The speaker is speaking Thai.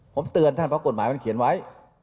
ผมเตือนท่านเพราะกฎหมายมันเขียนไว้